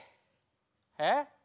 えっ？